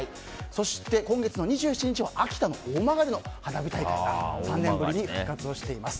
そして今月２７日は秋田の大曲の花火大会が３年ぶりに復活しています。